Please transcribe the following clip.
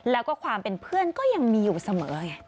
แล้วก็ความเป็นเพื่อนก็ยังมีอยู่เสมอไง